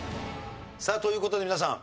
さあという事で皆さん